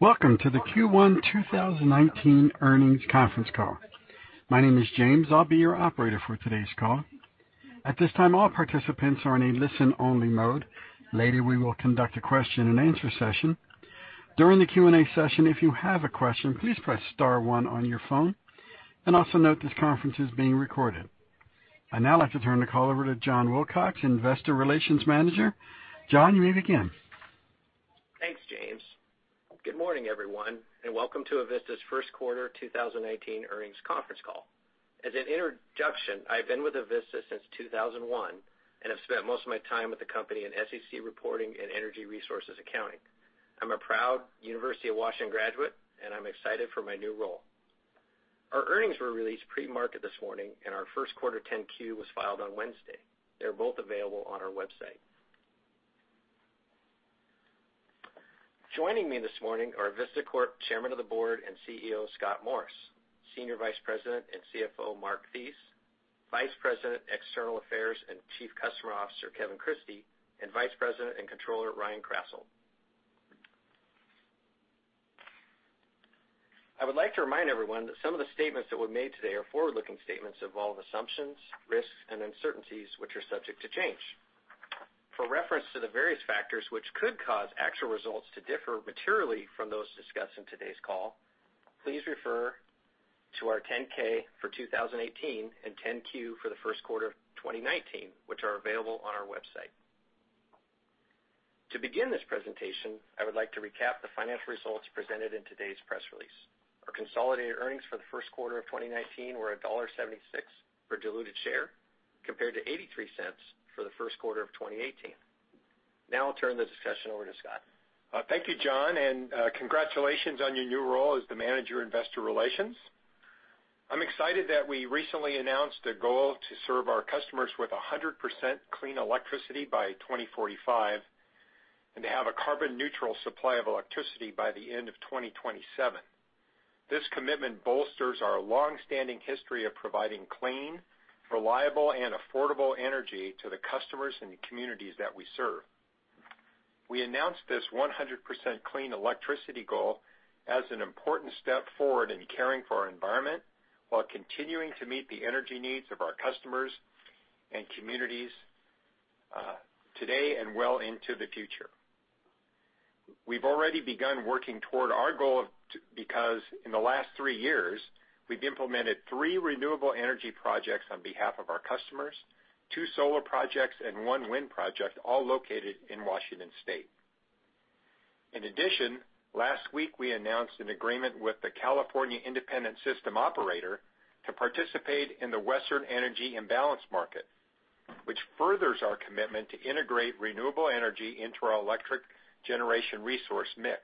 Welcome to the Q1 2019 earnings conference call. My name is James. I'll be your operator for today's call. At this time, all participants are in a listen-only mode. Later, we will conduct a question-and-answer session. During the Q&A session, if you have a question, please press star one on your phone, and also note this conference is being recorded. I'd now like to turn the call over to John Wilcox, Investor Relations Manager. John, you may begin. Thanks, James. Good morning, everyone, and welcome to Avista's first quarter 2019 earnings conference call. As an introduction, I've been with Avista since 2001 and have spent most of my time with the company in SEC reporting and energy resources accounting. I'm a proud University of Washington graduate, and I'm excited for my new role. Our earnings were released pre-market this morning, and our first quarter 10-Q was filed on Wednesday. They're both available on our website. Joining me this morning are Avista Corp Chairman of the Board and CEO, Scott Morris, Senior Vice President and CFO, Mark Thies, Vice President, External Affairs, and Chief Customer Officer, Kevin Christie, and Vice President and Controller, Ryan Krasselt. I would like to remind everyone that some of the statements that were made today are forward-looking statements that involve assumptions, risks, and uncertainties which are subject to change. For reference to the various factors which could cause actual results to differ materially from those discussed in today's call, please refer to our 10-K for 2018 and 10-Q for the first quarter of 2019, which are available on our website. To begin this presentation, I would like to recap the financial results presented in today's press release. Our consolidated earnings for the first quarter of 2019 were $1.76 per diluted share, compared to $0.83 for the first quarter of 2018. Now I'll turn the discussion over to Scott. Thank you, John, and congratulations on your new role as the Manager, Investor Relations. I'm excited that we recently announced a goal to serve our customers with 100% clean electricity by 2045 and to have a carbon-neutral supply of electricity by the end of 2027. This commitment bolsters our longstanding history of providing clean, reliable, and affordable energy to the customers and the communities that we serve. We announced this 100% clean electricity goal as an important step forward in caring for our environment while continuing to meet the energy needs of our customers and communities, today and well into the future. We've already begun working toward our goal because in the last three years, we've implemented three renewable energy projects on behalf of our customers, two solar projects and one wind project, all located in Washington State. In addition, last week, we announced an agreement with the California Independent System Operator to participate in the Western Energy Imbalance Market, which furthers our commitment to integrate renewable energy into our electric generation resource mix.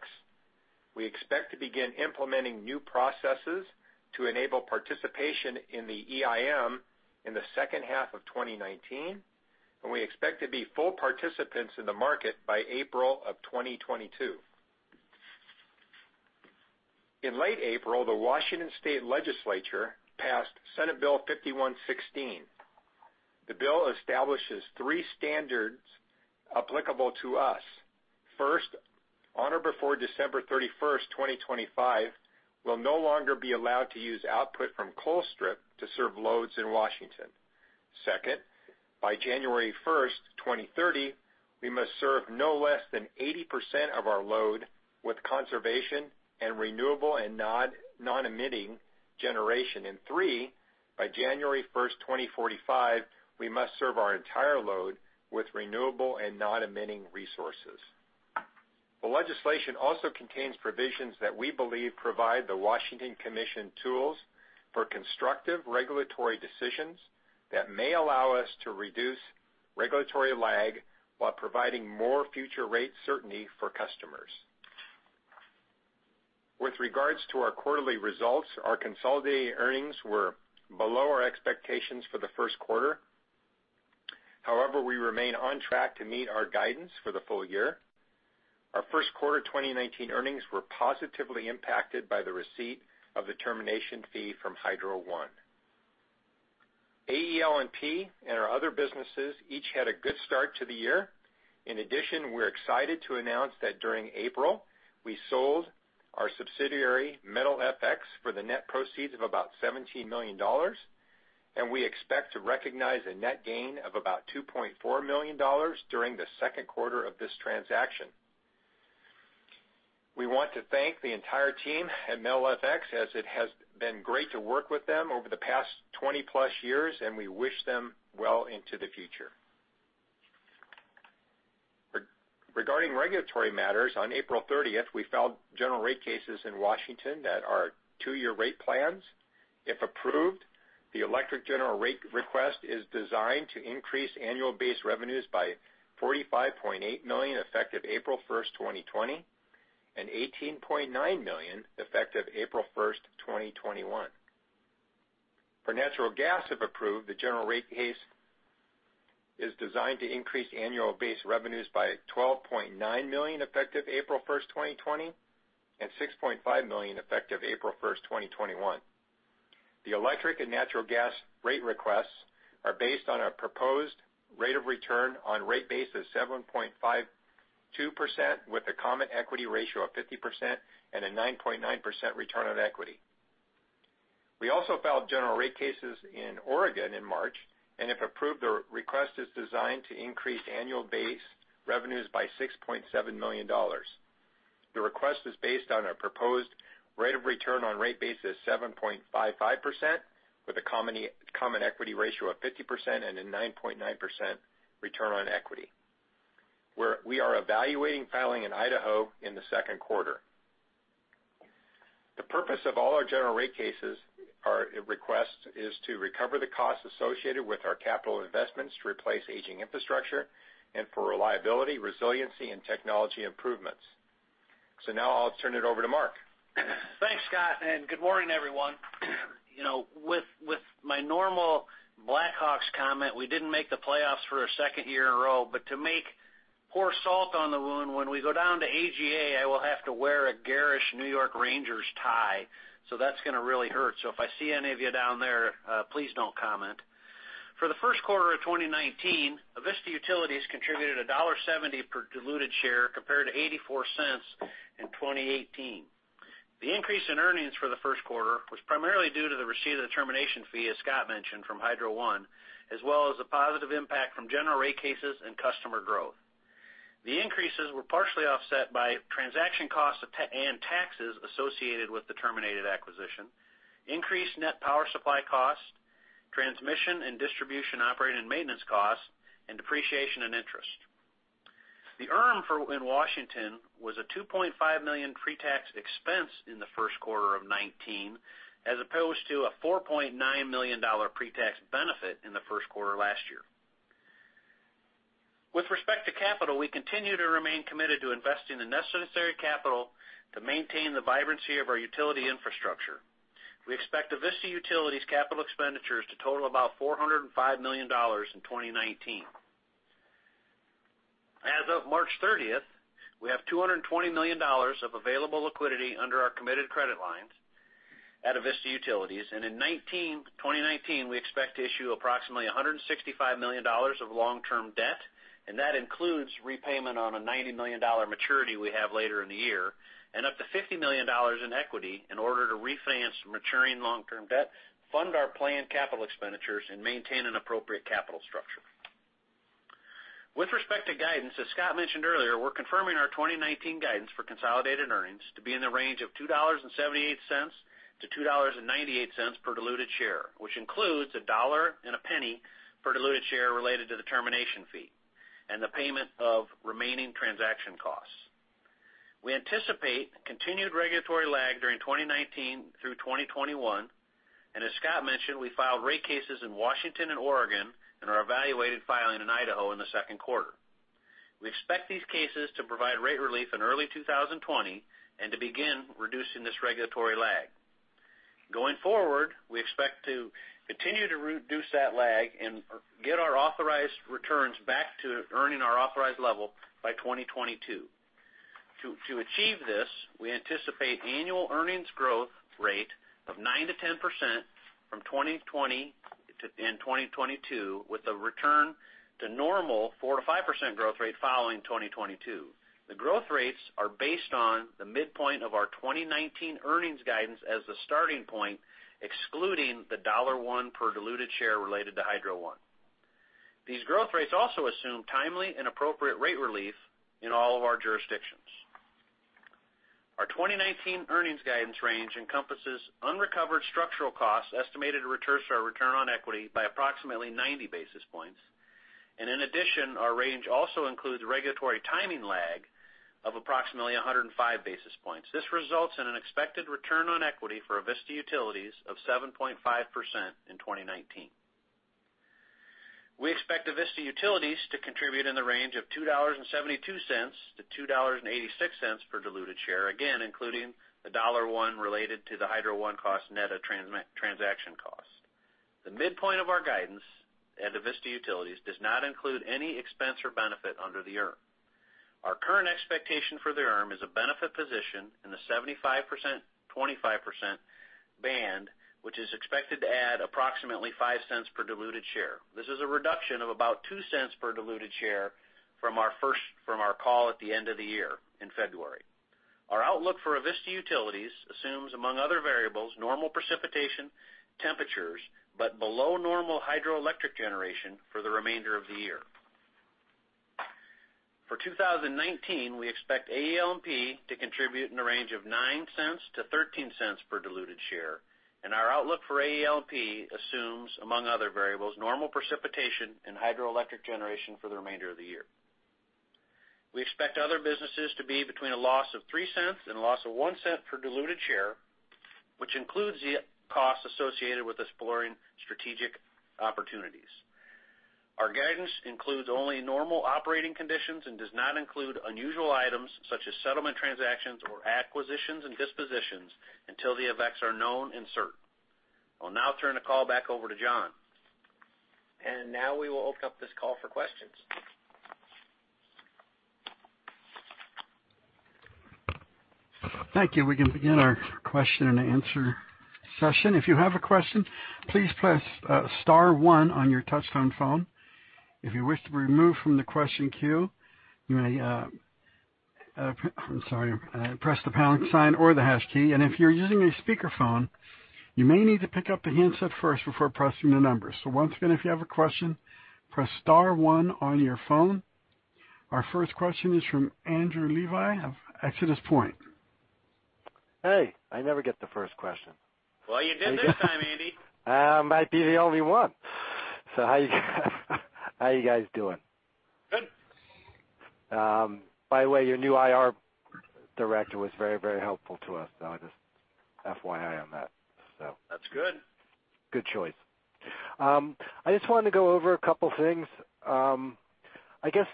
We expect to begin implementing new processes to enable participation in the EIM in the second half of 2019, and we expect to be full participants in the market by April of 2022. In late April, the Washington state legislature passed Senate Bill 5116. The bill establishes three standards applicable to us. First, on or before December 31st, 2025, we'll no longer be allowed to use output from Colstrip to serve loads in Washington. Second, by January 1st, 2030, we must serve no less than 80% of our load with conservation and renewable and non-emitting generation. Three, by January 1st, 2045, we must serve our entire load with renewable and non-emitting resources. The legislation also contains provisions that we believe provide the Washington Commission tools for constructive regulatory decisions that may allow us to reduce regulatory lag while providing more future rate certainty for customers. With regards to our quarterly results, our consolidated earnings were below our expectations for the first quarter. However, we remain on track to meet our guidance for the full year. Our first quarter 2019 earnings were positively impacted by the receipt of the termination fee from Hydro One. AEL&P and our other businesses each had a good start to the year. In addition, we're excited to announce that during April, we sold our subsidiary, METALfx, for the net proceeds of about $17 million, and we expect to recognize a net gain of about $2.4 million during the second quarter of this transaction. We want to thank the entire team at METALfx as it has been great to work with them over the past 20-plus years, and we wish them well into the future. Regarding regulatory matters, on April 30th, we filed general rate cases in Washington that are two-year rate plans. If approved, the electric general rate request is designed to increase annual base revenues by $45.8 million effective April 1st, 2020, and $18.9 million effective April 1st, 2021. For natural gas, if approved, the general rate case is designed to increase annual base revenues by $12.9 million effective April 1st, 2020, and $6.5 million effective April 1st, 2021. The electric and natural gas rate requests are based on a proposed rate of return on rate base of 7.52% with a common equity ratio of 50% and a 9.9% return on equity. We also filed general rate cases in Oregon in March, and if approved, the request is designed to increase annual base revenues by $6.7 million. The request is based on a proposed rate of return on rate base of 7.55% with a common equity ratio of 50% and a 9.9% return on equity. We are evaluating filing in Idaho in the second quarter. The purpose of all our general rate case requests is to recover the costs associated with our capital investments to replace aging infrastructure and for reliability, resiliency, and technology improvements. Now I'll turn it over to Mark. Thanks, Scott, and good morning, everyone. With my normal Blackhawks comment, we didn't make the playoffs for a second year in a row. To make pour salt on the wound, when we go down to AGA, I will have to wear a garish New York Rangers tie. That's going to really hurt. If I see any of you down there, please don't comment. For the first quarter of 2019, Avista Utilities contributed $1.70 per diluted share, compared to $0.84 in 2018. The increase in earnings for the first quarter was primarily due to the receipt of the termination fee, as Scott mentioned, from Hydro One, as well as the positive impact from general rate cases and customer growth. The increases were partially offset by transaction costs and taxes associated with the terminated acquisition, increased net power supply costs, transmission and distribution operating and maintenance costs, and depreciation and interest. The ERM in Washington was a $2.5 million pre-tax expense in the first quarter of 2019, as opposed to a $4.9 million pre-tax benefit in the first quarter last year. With respect to capital, we continue to remain committed to investing the necessary capital to maintain the vibrancy of our utility infrastructure. We expect Avista Utilities' capital expenditures to total about $405 million in 2019. As of March 30th, we have $220 million of available liquidity under our committed credit lines at Avista Utilities. In 2019, we expect to issue approximately $165 million of long-term debt. That includes repayment on a $90 million maturity we have later in the year, up to $50 million in equity in order to refinance maturing long-term debt, fund our planned capital expenditures, and maintain an appropriate capital structure. With respect to guidance, as Scott mentioned earlier, we're confirming our 2019 guidance for consolidated earnings to be in the range of $2.78-$2.98 per diluted share, which includes $1.01 per diluted share related to the termination fee and the payment of remaining transaction costs. We anticipate continued regulatory lag during 2019 through 2021. As Scott mentioned, we filed rate cases in Washington and Oregon and are evaluating filing in Idaho in the second quarter. We expect these cases to provide rate relief in early 2020 and to begin reducing this regulatory lag. Going forward, we expect to continue to reduce that lag and get our authorized returns back to earning our authorized level by 2022. To achieve this, we anticipate annual earnings growth rate of 9%-10% from 2020 to 2022, with a return to normal 4%-5% growth rate following 2022. The growth rates are based on the midpoint of our 2019 earnings guidance as the starting point, excluding the $1 per diluted share related to Hydro One. These growth rates also assume timely and appropriate rate relief in all of our jurisdictions. Our 2019 earnings guidance range encompasses unrecovered structural costs estimated to reduce our return on equity by approximately 90 basis points. In addition, our range also includes regulatory timing lag of approximately 105 basis points. This results in an expected return on equity for Avista Utilities of 7.5% in 2019. We expect Avista Utilities to contribute in the range of $2.72-$2.86 per diluted share, again, including the $1 related to the Hydro One cost net of transaction cost. The midpoint of our guidance at Avista Utilities does not include any expense or benefit under the ERM. Our current expectation for the ERM is a benefit position in the 75%/25% band, which is expected to add approximately $0.05 per diluted share. This is a reduction of about $0.02 per diluted share from our call at the end of the year in February. Our outlook for Avista Utilities assumes, among other variables, normal precipitation, temperatures, but below-normal hydroelectric generation for the remainder of the year. For 2019, we expect AEL&P to contribute in the range of $0.09-$0.13 per diluted share. Our outlook for AEL&P assumes, among other variables, normal precipitation and hydroelectric generation for the remainder of the year. We expect other businesses to be between a loss of $0.03 and a loss of $0.01 per diluted share, which includes the costs associated with exploring strategic opportunities. Our guidance includes only normal operating conditions and does not include unusual items such as settlement transactions or acquisitions and dispositions until the effects are known and certain. I'll now turn the call back over to John. Now we will open up this call for questions. Thank you. We can begin our question-and-answer session. If you have a question, please press star one on your touchtone phone. If you wish to be removed from the question queue, you may, I'm sorry, press the pound sign or the hash key. If you're using a speakerphone, you may need to pick up the handset first before pressing the numbers. Once again, if you have a question, press star one on your phone. Our first question is from Andrew Levi of Exodus Point. Hey, I never get the first question. Well, you did this time, Andy. I might be the only one. How you guys doing? Good. By the way, your new IR director was very, very helpful to us, though. Just FYI on that. That's good. Good choice. I just wanted to go over a couple things. I guess,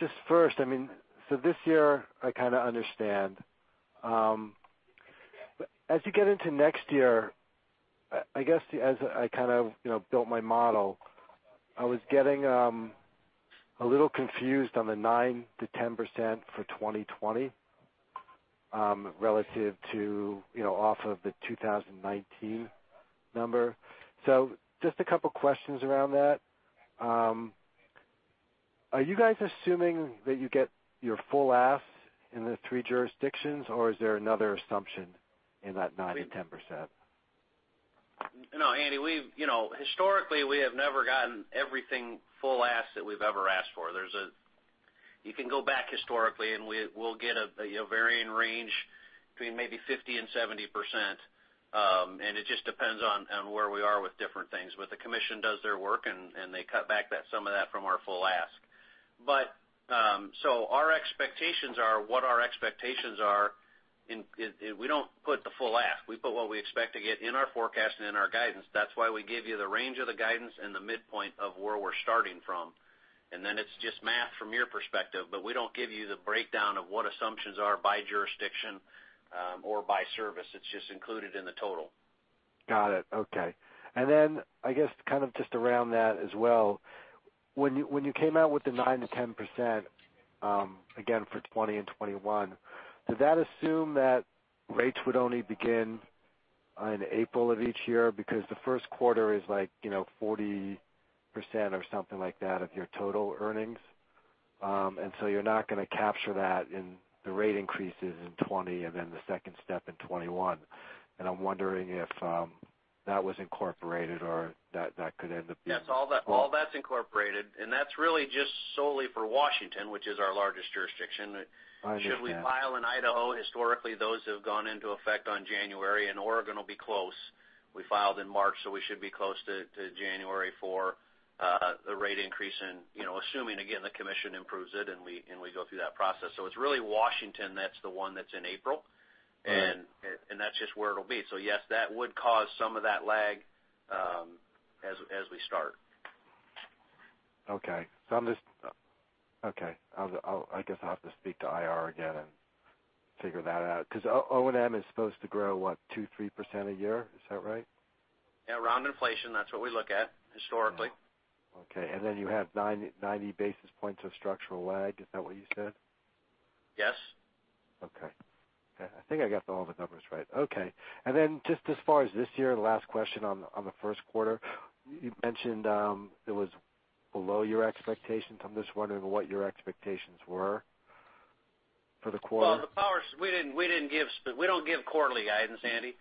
just first, this year I kind of understand. As you get into next year, I guess as I kind of built my model, I was getting a little confused on the 9%-10% for 2020 relative to off of the 2019 number. Just a couple questions around that. Are you guys assuming that you get your full ask in the three jurisdictions, or is there another assumption in that 9%-10%? No, Andy, historically, we have never gotten everything full ask that we've ever asked for. You can go back historically, we'll get a varying range between maybe 50%-70%, and it just depends on where we are with different things. The commission does their work, and they cut back some of that from our full ask. Our expectations are what our expectations are. We don't put the full ask. We put what we expect to get in our forecast and in our guidance. That's why we give you the range of the guidance and the midpoint of where we're starting from. It's just math from your perspective, we don't give you the breakdown of what assumptions are by jurisdiction or by service. It's just included in the total. Got it. Okay. I guess kind of just around that as well, when you came out with the 9%-10%, again for 2020 and 2021, did that assume that rates would only begin in April of each year? Because the first quarter is like 40% or something like that of your total earnings. You're not going to capture that in the rate increases in 2020 and then the second step in 2021. I'm wondering if that was incorporated or that could end up being. Yes, all that's incorporated, and that's really just solely for Washington, which is our largest jurisdiction. I understand. Should we file in Idaho, historically, those have gone into effect on January, and Oregon will be close. We filed in March, we should be close to January for the rate increase in assuming, again, the commission improves it and we go through that process. It's really Washington that's the one that's in April. Right. That's just where it'll be. Yes, that would cause some of that lag as we start. Okay. I guess I'll have to speak to IR again and figure that out because O&M is supposed to grow, what, 2%, 3% a year? Is that right? Yeah, around inflation. That's what we look at historically. Okay. Then you have 90 basis points of structural lag. Is that what you said? Yes. Okay. I think I got all the numbers right. Okay. Then just as far as this year, the last question on the first quarter, you mentioned it was below your expectations. I'm just wondering what your expectations were for the quarter. Well, we don't give quarterly guidance, Andy.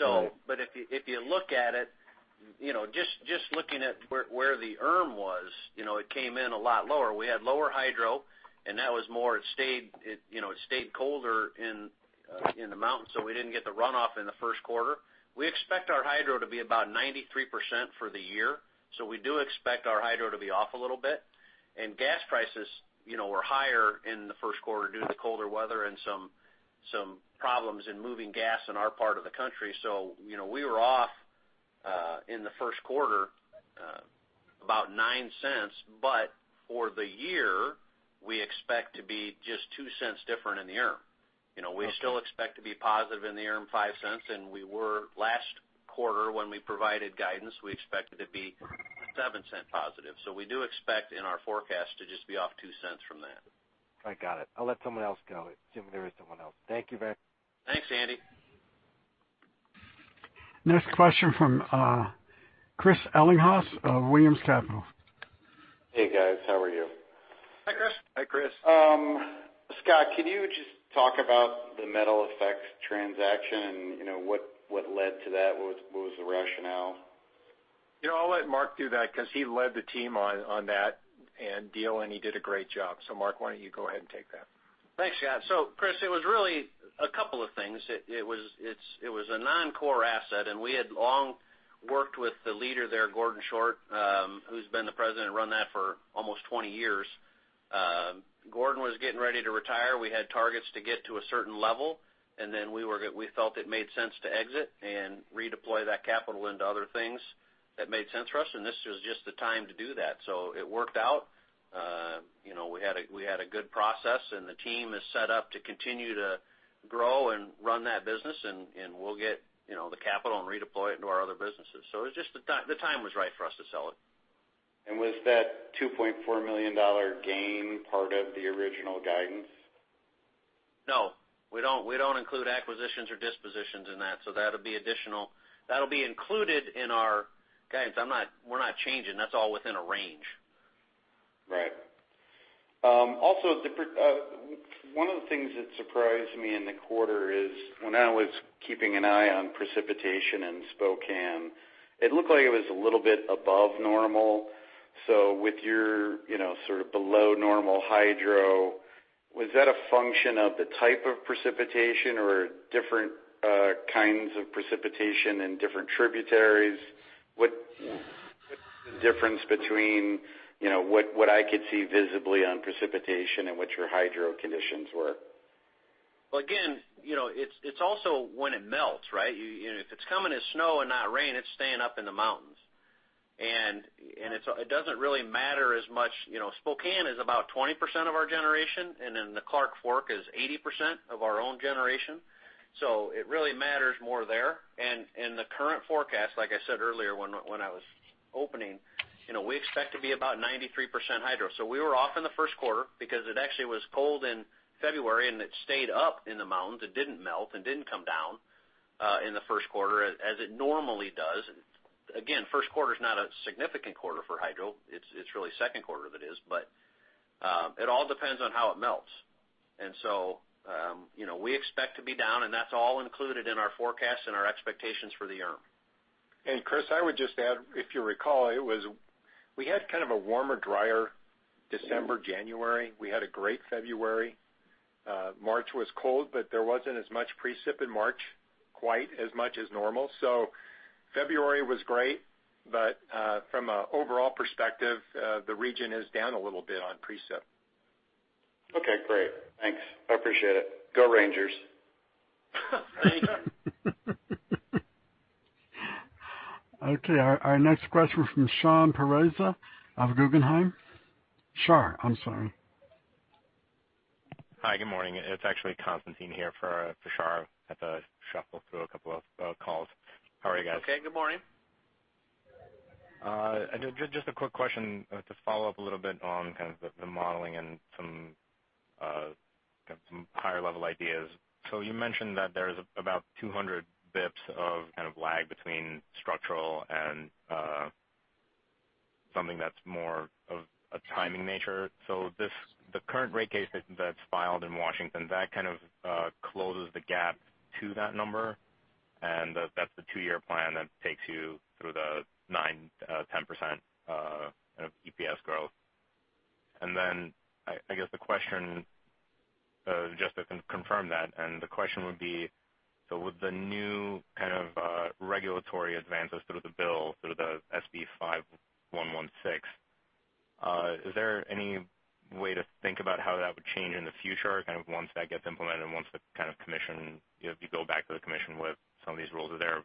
Right. If you look at it, just looking at where the ERM was, it came in a lot lower. We had lower hydro, and that was more it stayed colder in the mountains, so we didn't get the runoff in the first quarter. We expect our hydro to be about 93% for the year, so we do expect our hydro to be off a little bit. Gas prices were higher in the first quarter due to the colder weather and some problems in moving gas in our part of the country. We were off in the first quarter about $0.09, but for the year, we expect to be just $0.02 different in the ERM. Okay. We still expect to be positive in the ERM $0.05, and we were last quarter when we provided guidance, we expected to be $0.07 positive. We do expect in our forecast to just be off $0.02 from that. I got it. I'll let someone else go assuming there is someone else. Thank you very much. Thanks, Andy. Next question from Chris Ellinghaus of Williams Capital. Hey, guys. How are you? Hi, Chris. Hi, Chris. Scott, can you just talk about the METALfx transaction? What led to that? What was the rationale? I'll let Mark do that because he led the team on that deal, and he did a great job. Mark, why don't you go ahead and take that? Thanks, Scott. Chris, it was really a couple of things. It was a non-core asset, and we had long worked with the leader there, Gordon Short, who's been the president and run that for almost 20 years. Gordon was getting ready to retire. We had targets to get to a certain level, and then we felt it made sense to exit and redeploy that capital into other things that made sense for us, and this was just the time to do that. It worked out. We had a good process, and the team is set up to continue to grow and run that business, and we'll get the capital and redeploy it into our other businesses. The time was right for us to sell it. Was that $2.4 million gain part of the original guidance? No, we don't include acquisitions or dispositions in that, so that'll be additional. That'll be included in our guidance. We're not changing. That's all within a range. Right. One of the things that surprised me in the quarter is when I was keeping an eye on precipitation in Spokane, it looked like it was a little bit above normal. With your below normal hydro, was that a function of the type of precipitation or different kinds of precipitation in different tributaries? What's the difference between what I could see visibly on precipitation and what your hydro conditions were? Well, again, it's also when it melts, right? If it's coming as snow and not rain, it's staying up in the mountains. It doesn't really matter as much. Spokane is about 20% of our generation, then the Clark Fork is 80% of our own generation. It really matters more there. The current forecast, like I said earlier when I was opening, we expect to be about 93% hydro. We were off in the first quarter because it actually was cold in February, and it stayed up in the mountains. It didn't melt and didn't come down in the first quarter as it normally does. Again, first quarter's not a significant quarter for hydro. It's really second quarter that is. It all depends on how it melts. We expect to be down, and that's all included in our forecast and our expectations for the year. Chris, I would just add, if you recall, we had kind of a warmer, drier December, January. We had a great February. March was cold, but there wasn't as much precip in March, quite as much as normal. February was great, but from an overall perspective, the region is down a little bit on precip. Okay, great. Thanks. I appreciate it. Go Rangers. Okay, our next question from Shar Pourreza of Guggenheim. Hi, good morning. It's actually Constantine here for Shahriar. Had to shuffle through a couple of calls. How are you guys? Okay, good morning. Just a quick question to follow up a little bit on kind of the modeling and some higher-level ideas. You mentioned that there's about 200 basis points of kind of lag between structural and something that's more of a timing nature. The current rate case that's filed in Washington, that kind of closes the gap to that number, and that's the two-year plan that takes you through the 9%-10% of EPS growth. I guess the question, just to confirm that, and the question would be, so with the new kind of regulatory advances through the bill, through the SB 5116, is there any way to think about how that would change in the future, kind of once that gets implemented and once you go back to the commission with some of these rules are there.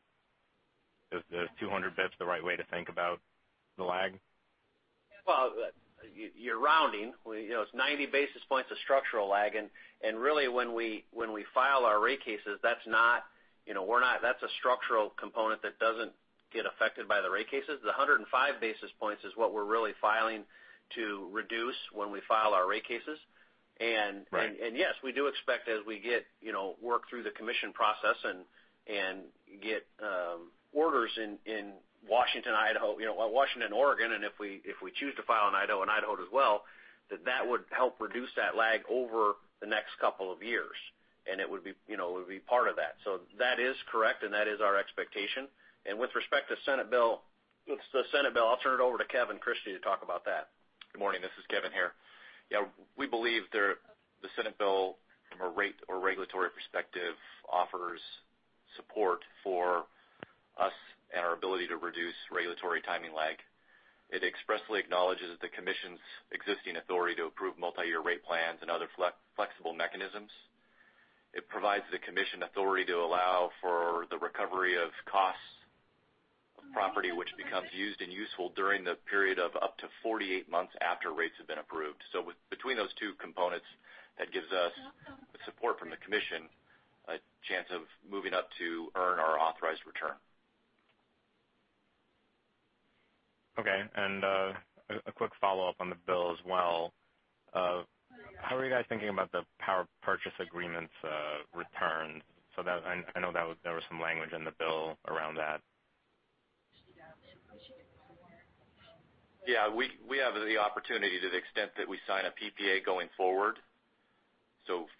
Is the 200 basis points the right way to think about the lag? Well, you're rounding. It's 90 basis points of structural lag, and really when we file our rate cases, that's a structural component that doesn't get affected by the rate cases. The 105 basis points is what we're really filing to reduce when we file our rate cases. Right. Yes, we do expect as we work through the commission process and get orders in Washington, Oregon, and if we choose to file in Idaho, in Idaho as well, that that would help reduce that lag over the next couple of years, and it would be part of that. That is correct, and that is our expectation. With respect to the Senate Bill, I'll turn it over to Kevin Christie to talk about that. Good morning, this is Kevin here. We believe the Senate Bill from a rate or regulatory perspective offers support for us and our ability to reduce regulatory timing lag. It expressly acknowledges the commission's existing authority to approve multi-year rate plans and other flexible mechanisms. It provides the commission authority to allow for the recovery of costs of property which becomes used and useful during the period of up to 48 months after rates have been approved. Between those two components, that gives us the support from the commission, a chance of moving up to earn our authorized return. Okay, a quick follow-up on the Bill as well. How are you guys thinking about the power purchase agreements return? I know there was some language in the Bill around that. We have the opportunity to the extent that we sign a PPA going forward.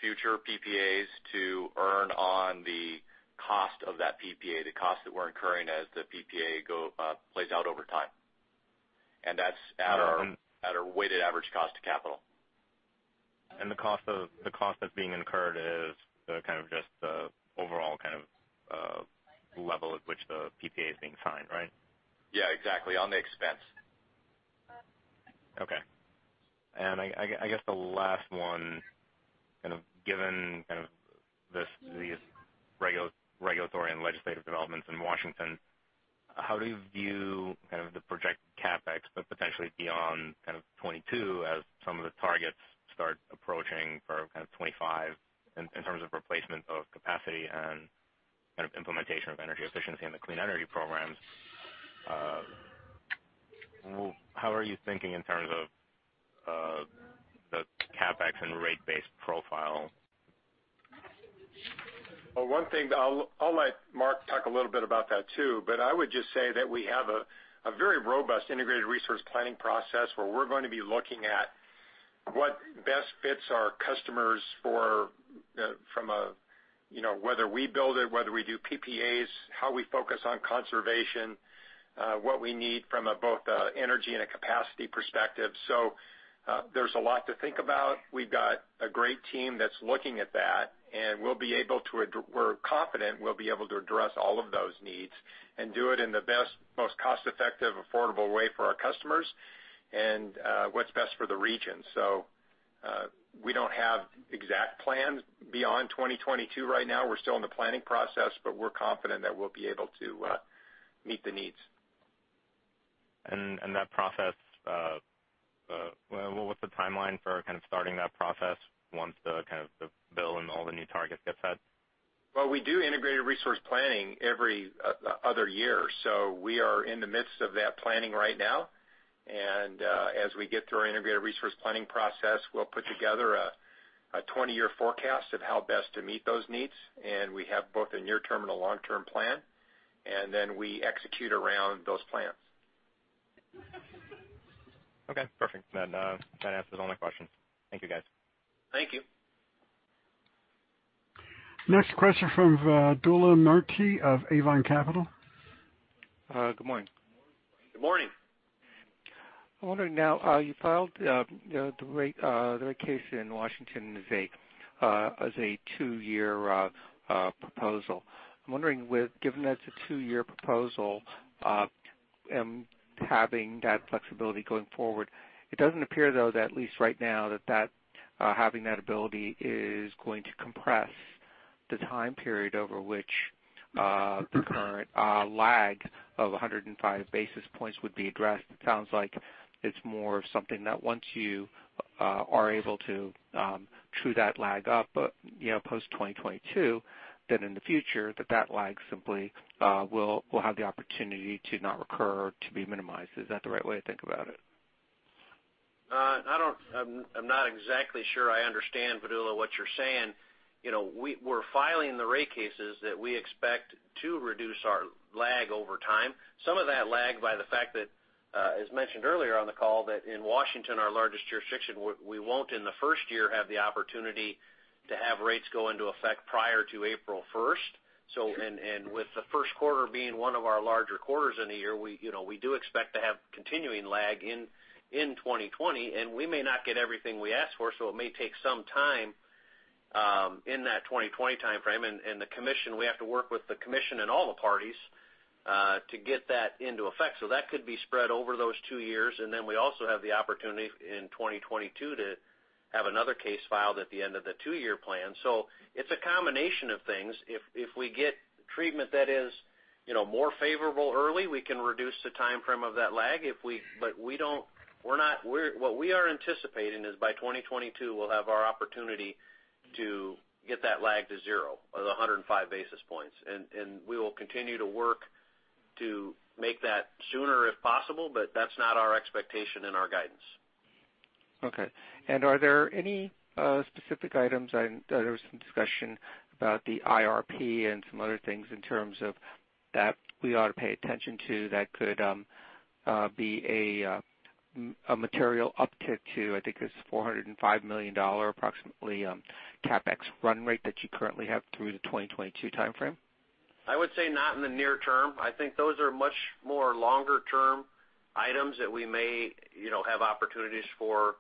Future PPAs to earn on the cost of that PPA, the cost that we're incurring as the PPA plays out over time. That's at our weighted average cost to capital. The cost that's being incurred is kind of just the overall kind of level at which the PPA is being signed, right? Yeah, exactly. On the expense. Okay. I guess the last one, kind of given these regulatory and legislative developments in Washington, how do you view kind of the projected CapEx, but potentially beyond kind of 2022 as some of the targets start approaching for kind of 2025 in terms of replacement of capacity and kind of implementation of energy efficiency in the clean energy programs. How are you thinking in terms of the CapEx and rate base profile? Well, one thing, I'll let Mark talk a little bit about that too, but I would just say that we have a very robust integrated resource planning process where we're going to be looking at what best fits our customers, from whether we build it, whether we do PPAs, how we focus on conservation, what we need from both a energy and a capacity perspective. There's a lot to think about. We've got a great team that's looking at that, and we're confident we'll be able to address all of those needs and do it in the best, most cost-effective, affordable way for our customers and what's best for the region. We don't have exact plans beyond 2022 right now. We're still in the planning process, but we're confident that we'll be able to meet the needs. What's the timeline for kind of starting that process once the bill and all the new targets gets set? Well, we do Integrated Resource Planning every other year, we are in the midst of that planning right now. As we get through our Integrated Resource Planning process, we'll put together a 20-year forecast of how best to meet those needs. We have both a near-term and a long-term plan, we execute around those plans. Okay, perfect. That answers all my questions. Thank you, guys. Thank you. Next question from Vedula Murti of Avon Capital. Good morning. Good morning. I'm wondering now, you filed the rate case in Washington as a two-year proposal. I'm wondering, given that it's a two-year proposal, and having that flexibility going forward, it doesn't appear, though, that at least right now, that having that ability is going to compress the time period over which the current lag of 105 basis points would be addressed. It sounds like it's more of something that once you are able to true that lag up, post 2022, then in the future, that lag simply will have the opportunity to not recur, to be minimized. Is that the right way to think about it? I'm not exactly sure I understand, Vidula, what you're saying. We're filing the rate cases that we expect to reduce our lag over time. Some of that lag by the fact that, as mentioned earlier on the call, that in Washington, our largest jurisdiction, we won't in the first year have the opportunity to have rates go into effect prior to April 1st. With the first quarter being one of our larger quarters in a year, we do expect to have continuing lag in 2020, and we may not get everything we ask for, so it may take some time in that 2020 timeframe. The commission, we have to work with the commission and all the parties to get that into effect. That could be spread over those two years, then we also have the opportunity in 2022 to have another case filed at the end of the two-year plan. It's a combination of things. If we get treatment that is more favorable early, we can reduce the timeframe of that lag. What we are anticipating is by 2022, we'll have our opportunity to get that lag to zero, or the 105 basis points. We will continue to work to make that sooner if possible, but that's not our expectation in our guidance. Okay. Are there any specific items, there was some discussion about the IRP and some other things in terms of that we ought to pay attention to that could be a material uptick to, I think it was $405 million approximately, CapEx run rate that you currently have through the 2022 timeframe? I would say not in the near term. I think those are much more longer-term items that we may have opportunities for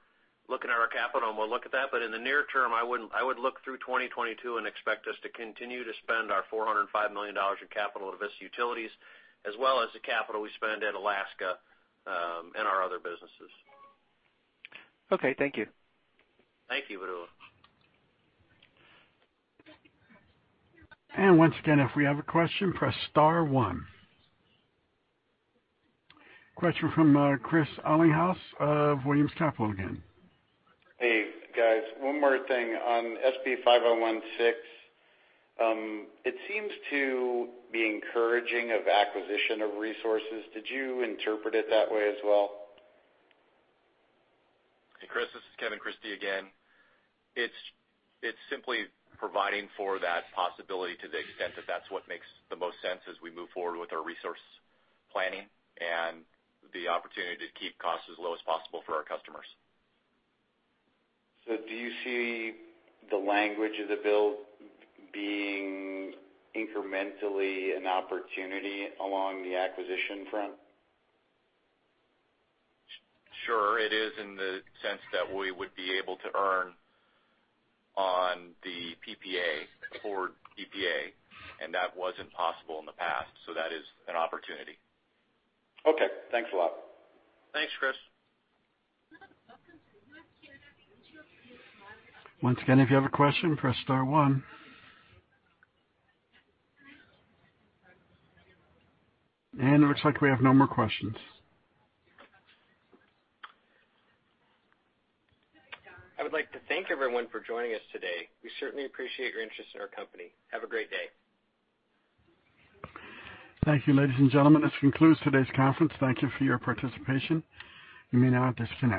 looking at our capital, and we'll look at that. In the near term, I would look through 2022 and expect us to continue to spend our $405 million in capital at Avista Utilities, as well as the capital we spend at Alaska and our other businesses. Okay, thank you. Thank you, Vidula. Once again, if we have a question, press star one. Question from Chris Ellinghaus of Williams Capital again. Hey, guys. One more thing on SB 5116. It seems to be encouraging of acquisition of resources. Did you interpret it that way as well? Hey, Chris. This is Kevin Christie again. It's simply providing for that possibility to the extent that that's what makes the most sense as we move forward with our resource planning and the opportunity to keep costs as low as possible for our customers. Do you see the language of the bill being incrementally an opportunity along the acquisition front? Sure, it is in the sense that we would be able to earn on the PPA for PPA, and that wasn't possible in the past. That is an opportunity. Okay. Thanks a lot. Thanks, Chris. Once again, if you have a question, press star one. It looks like we have no more questions. I would like to thank everyone for joining us today. We certainly appreciate your interest in our company. Have a great day. Thank you, ladies and gentlemen. This concludes today's conference. Thank you for your participation. You may now disconnect.